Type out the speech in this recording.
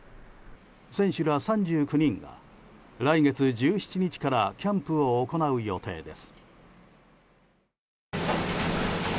選手ら３９人が、来月１７日からキャンプを行う予定です。